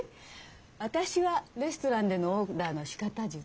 私は「レストランでのオーダーのしかた術」。